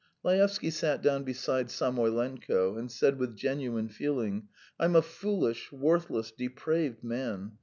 Laevsky sat down beside Samoylenko, and said with genuine feeling: "I'm a foolish, worthless, depraved man.